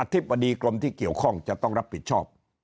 ธิบดีกรมที่เกี่ยวข้องจะต้องรับผิดชอบ